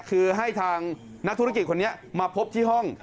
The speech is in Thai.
คือให้ทางนักธุรกิจคนนี้มาพบที่ห้อง